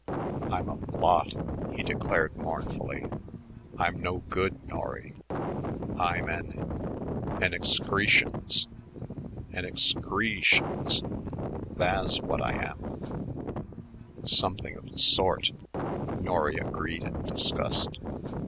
"I'm a blot," he declared mournfully; "I'm no good, Norry. I'm an an excreeshence, an ex cree shence, tha's what I am." "Something of the sort," Norry agreed in disgust.